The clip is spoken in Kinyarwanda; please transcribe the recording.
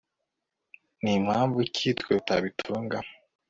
ni mpamvu ki twe tutabitunga